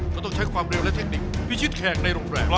ต้องใช้ความเร็วและเทคนิคพิชิตแขกในโรงแรม